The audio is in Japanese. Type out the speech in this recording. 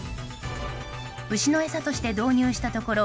牛の餌として導入したところ